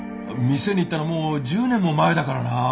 店に行ったのもう１０年も前だからな。